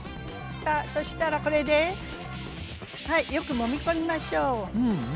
さあそしたらこれではいよくもみ込みましょう。